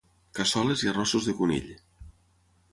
Cassoles i arrossos de conill